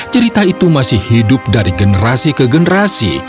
cerita itu masih hidup dari generasi ke generasi